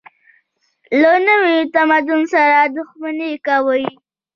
له نوي تمدن سره دښمني کوي.